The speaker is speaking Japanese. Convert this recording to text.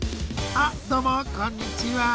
あっどうもこんにちは。